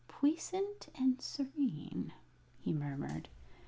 "'Puissant and serene'!" he murmured.